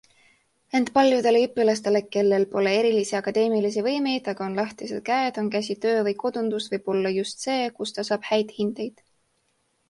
Ent paljudele õpilastele, kellel pole erilisi akadeemilisi võimeid, aga on lahtised käed, on käsitöö või kodundus võib-olla just see, kus ta saab häid hindeid.